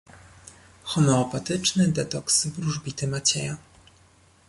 Homeopatyczny detoks wróżbity Macieja.